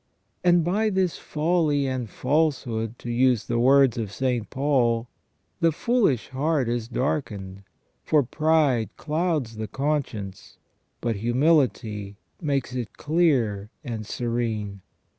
And by this folly and falsehood, to use the words of St. Paul, " the foolish heart is darkened," for pride clouds the conscience, but humility makes it clear and serene.